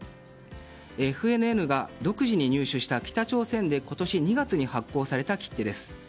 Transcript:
ＦＮＮが独自に入手した北朝鮮で今年２月に発行された切手です。